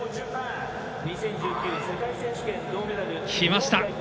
きました。